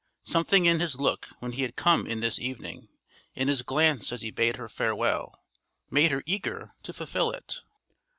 Something in his look when he had come in this evening, in his glance as he bade her farewell, made her eager to fulfil it.